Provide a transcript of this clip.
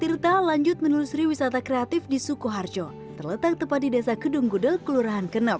tirta lanjut menelusuri wisata kreatif di sukoharjo terletak tepat di desa kedung gudel kelurahan kenep